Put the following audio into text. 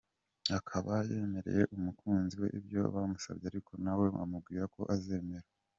akaba yemereye umukunzi we ibyo amusabye ariko nawe amubwira ko azemera.